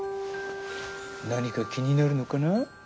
何か気になるのかな？